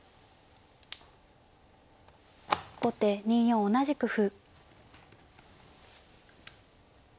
後手２四同じく歩。